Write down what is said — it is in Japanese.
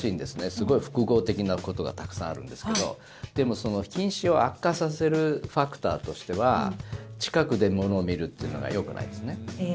すごい複合的なことがたくさんあるんですけど近視を悪化させるファクターとしては近くで、物を見るっていうのがよくないんですね。